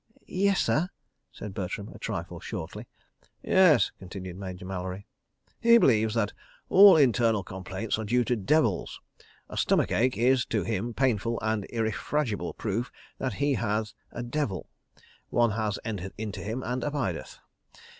"Yes, sir?" said Bertram, a trifle shortly. "Yes," continued Major Mallery. "He believes that all internal complaints are due to Devils. A stomach ache is, to him, painful and irrefragible proof that he hath a Devil. One has entered into him and abideth.